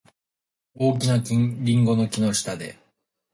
大きなリンゴの木の下で。